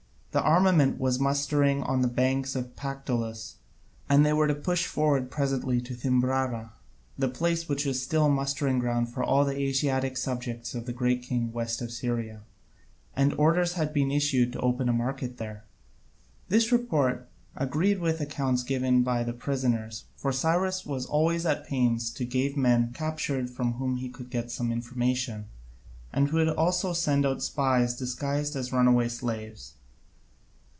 The armament was mustering on the banks of the Pactolus, and they were to push forward presently to Thymbrara (the place which is still the mustering ground for all the Asiatic subjects of the Great King west of Syria), and orders had been issued to open a market there. This report agreed with the accounts given by the prisoners, for Cyrus was always at pains to gave men captured from whom he could get some information, and he would also send out spies disguised as runaway slaves.